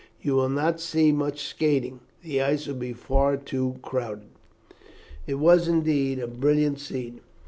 You will not see much skating; the ice will be far too crowded." It was indeed a brilliant scene.